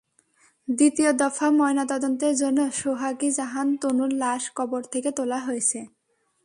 দ্বিতীয় দফা ময়নাতদন্তের জন্য সোহাগী জাহান তনুর লাশ কবর থেকে তোলা হয়েছে।